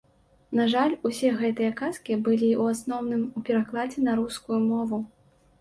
На жаль, усе гэтыя казкі былі, у асноўным, у перакладзе на рускую мову.